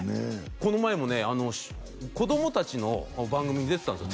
この前もね子供達の番組に出てたんですよ